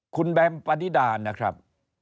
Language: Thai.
คุณแบมปานิดานะครับ